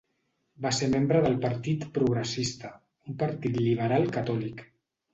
Va ser membre del Partit Progressista, un partit liberal catòlic.